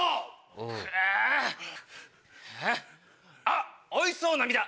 あっおいしそうな実だ！